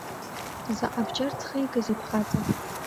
Зҟ бџьар ӡхигазеи бхаҵа?